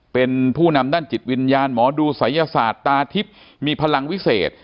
เป็นผู้นำด้านจิตวิญญาณหมอดูศัยศาสตร์ตาทิพย์มีพลังวิเศษ